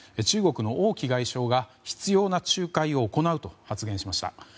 中国の王毅外相が執拗な仲介を行うと発言しました。